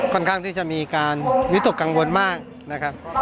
ค่อนข้างที่จะมีการวิตกกังวลมากนะครับ